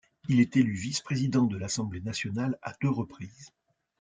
Il est élu vice-président de l'Assemblée nationale à deux reprises.